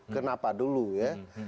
kenapa dulu ya